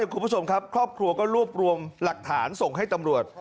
คุณผู้ชมครับครอบครัวก็รวบรวมหลักฐานส่งให้ตำรวจ